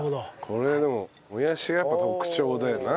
これはでももやしがやっぱ特徴だよな。